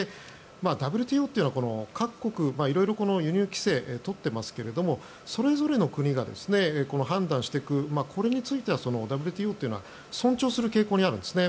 ＷＴＯというのは各国色々輸入規制を取っていますがそれぞれの国が判断していくこれについてはＷＴＯというのは尊重する傾向にあるんですね。